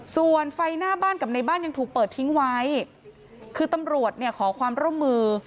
ส่วนไฟหน้าบ้านกับในบ้านยังถูกเปิดทิ้งไว้คือตำรวจเนี่ยขอความร่วมมือ